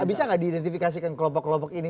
bisa nggak diidentifikasikan kelompok kelompok ini